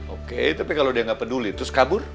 oke tapi kalau dia nggak peduli terus kabur